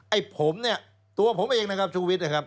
ไอ้ผมเนี่ยตัวผมเองนะครับชูวิทย์นะครับ